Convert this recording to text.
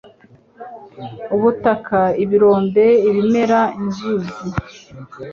Ubutaka, ibirombe, ibimera, inzuzi.